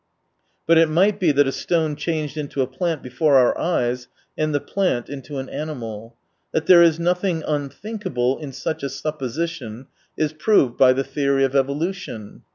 But it might be that a stone changed into a plant before our eyeSj and the plant into an animal. That there is nothing unthinkable in such a supposition is proved by the theory of evolution.